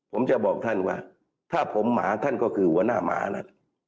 ผมจะบอกท่านว่าถ้าผมหมาท่านก็คือหัวหน้าหมานะ